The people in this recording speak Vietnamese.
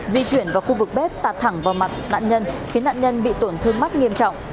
di chuyển vào khu vực bếp tạt thẳng vào mặt nạn nhân khiến nạn nhân bị tổn thương mắt nghiêm trọng